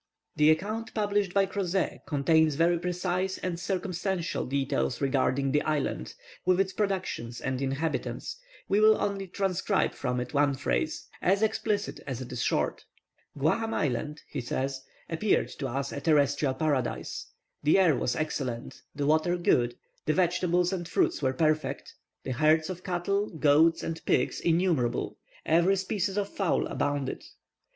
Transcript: The account published by Crozet contains very precise and circumstantial details regarding this island, with its productions and inhabitants. We will only transcribe from it one phrase, as explicit as it is short. "Guaham Island," he says, "appeared to us a terrestrial paradise. The air was excellent, the water good, the vegetables and fruits were perfect, the herds of cattle, goats, and pigs, innumerable; every species of fowl abounded."